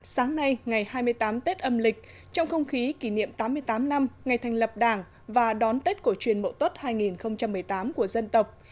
sáng nay ngày hai mươi tám tết âm lịch trong không khí kỷ niệm tám mươi tám năm ngày thành lập đảng và đón tết cổ truyền mậu tuất hai nghìn một mươi tám của dân tộc